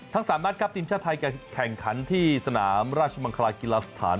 ๓นัดครับทีมชาติไทยจะแข่งขันที่สนามราชมังคลากีฬาสถาน